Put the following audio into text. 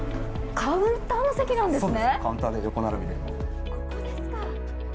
カウンターの席なんですね。